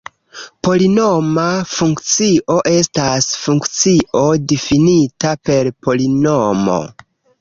Polinoma funkcio estas funkcio difinita per polinomo.